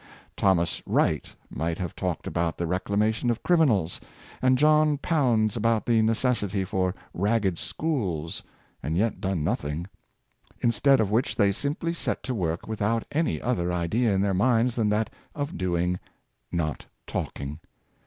Thomas Wright might have talked about the reclamation of criminals, and John Pounds about the necessity for Ragged Schools, and yet done nothing; instead of which they simply set to work without any other idea in their minds than that of doing, not talking.